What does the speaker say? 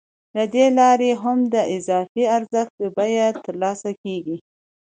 له دې لارې هم د اضافي ارزښت بیه ترلاسه کېږي